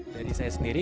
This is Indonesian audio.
jadi saya sendiri